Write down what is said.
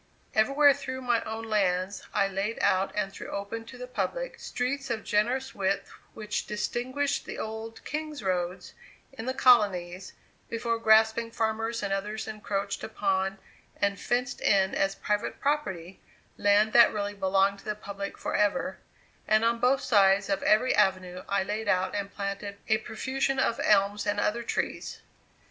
Everywhere through my own lands I laid out and threw open to the public, streets of the generous width which distinguished the old "King's roads" in the colonies, before grasping farmers and others encroached upon, and fenced in as private property, land that really belonged to the public forever; and on both sides of every avenue I laid out and planted a profusion of elms and other trees.